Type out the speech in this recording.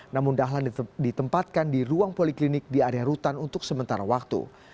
namun dahlan ditempatkan di ruang poliklinik di area rutan untuk sementara waktu